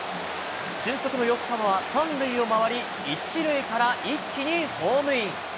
俊足の吉川は３塁を回り、１塁から一気にホームイン。